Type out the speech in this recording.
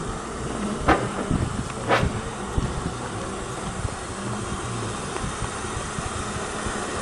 Mocha Island was regularly visited by pirates from the Netherlands and England.